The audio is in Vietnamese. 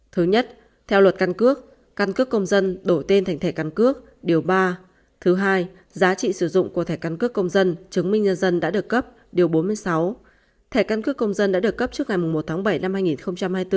thứ nhất theo luật căn cước căn cước công dân đổi tên thành thẻ căn cước điều ba thứ hai giá trị sử dụng của thẻ căn cước công dân chứng minh nhân dân đã được cấp điều bốn mươi sáu thẻ căn cước công dân đã được cấp trước ngày một tháng bảy năm hai nghìn hai mươi bốn